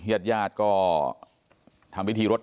นายพิรายุนั่งอยู่ติดกันแบบนี้นะคะ